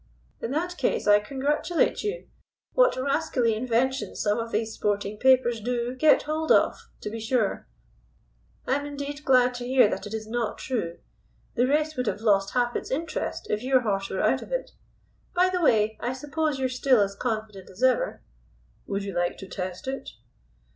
"In that case I congratulate you. What rascally inventions some of these sporting papers do get hold of, to be sure. I'm indeed glad to hear that it is not true. The race would have lost half its interest if your horse were out of it. By the way, I suppose you are still as confident as ever?" "Would you like to test it?"